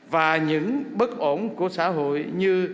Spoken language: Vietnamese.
và những bất ổn của xã hội như